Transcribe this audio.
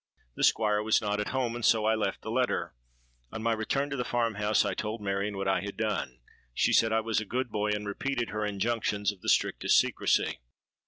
The Squire was not at home; and so I left the letter. On my return to the farm house, I told Marion what I had done: she said I was a good boy, and repeated her injunctions of the strictest secrecy.